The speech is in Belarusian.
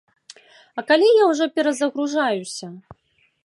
А калі я ўжо перазагружаюся?